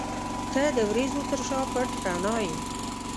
• ته د وریځو تر شا پټ رڼا یې.